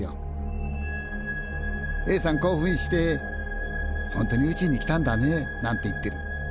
興奮して「本当に宇宙に来たんだね！」なんて言ってる。